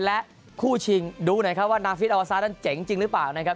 และคู่ชิงดูหน่อยครับว่านาฟิตออซานั้นเจ๋งจริงหรือเปล่านะครับ